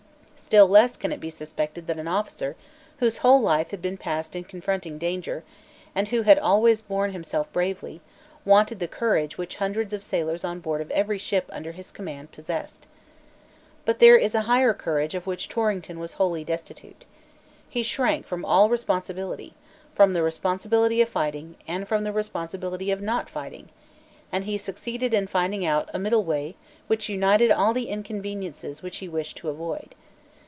Still less can it be suspected that an officer, whose whole life had been passed in confronting danger, and who had always borne himself bravely, wanted the personal courage which hundreds of sailors on board of every ship under his command possessed. But there is a higher courage of which Torrington was wholly destitute. He shrank from all responsibility, from the responsibility of fighting, and from the responsibility of not fighting; and he succeeded in finding out a middle way which united all the inconveniences which he wished to avoid.